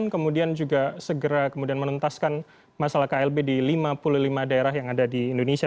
kemudian juga segera kemudian menuntaskan masalah klb di lima puluh lima daerah yang ada di indonesia